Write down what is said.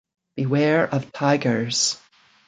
Beware of tigers.